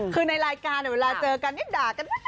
คือในรายการเวลาเจอกันนี่ด่ากัน